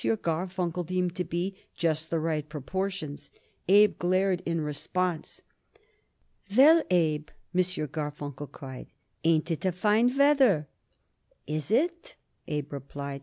Garfunkel deemed to be just the right proportions. Abe glared in response. "Well, Abe," M. Garfunkel cried, "ain't it a fine weather?" "Is it?" Abe replied.